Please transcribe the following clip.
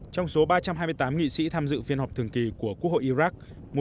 trong số ba trăm hai mươi tám nghị sĩ tham dự phiên họp thường kỳ của quốc hội iraq